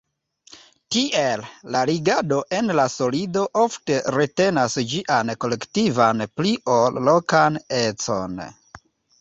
Tiel, la ligado en la solido ofte retenas ĝian kolektivan pli ol lokan econ.